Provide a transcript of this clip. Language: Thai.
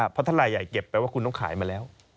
เพราะถ้ารายใหญ่เก็บแปลว่าคุณต้องขายมาแล้ว